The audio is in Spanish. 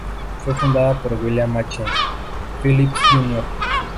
Fue fundada por William H. Phelps Jr.